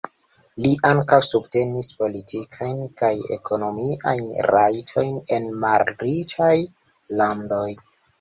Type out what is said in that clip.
Li ankaŭ subtenis politikajn kaj ekonomiajn rajtojn en malriĉaj landoj.